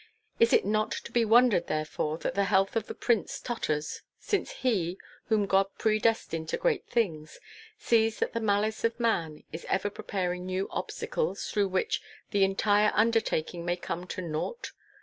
It is not to be wondered, therefore, that the health of the prince totters, since he, whom God predestined to great things, sees that the malice of man is ever preparing new obstacles through which the entire undertaking may come to naught.